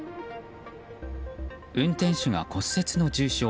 運転手が骨折の重傷。